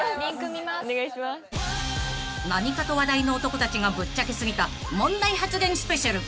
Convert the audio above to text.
［何かと話題の男たちがぶっちゃけ過ぎた問題発言スペシャル］